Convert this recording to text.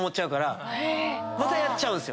またやっちゃうんすよ。